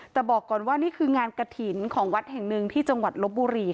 แต่บอกก่อนว่านี่คืองานกระถิ่นของวัดแห่งหนึ่งที่จังหวัดลบบุรี